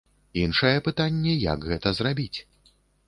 Іншае пытанне, як гэта зрабіць.